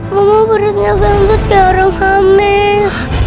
mama perutnya gamput ya orang hamil